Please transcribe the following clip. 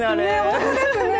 本当ですね。